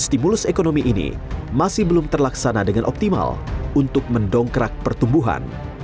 stimulus ekonomi ini masih belum terlaksana dengan optimal untuk mendongkrak pertumbuhan